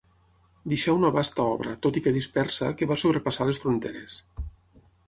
Deixà una vasta obra, tot i que dispersa, que va sobrepassar les fronteres.